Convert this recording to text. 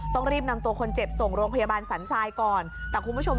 ต้องรีบนำตัวคนเจ็บส่งโรงพยาบาลสรรไซน์ก่อน